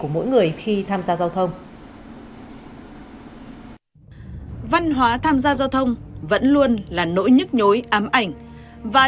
lợi khi tham gia giao thông văn hóa tham gia giao thông vẫn luôn là nỗi nhức nhối ám ảnh và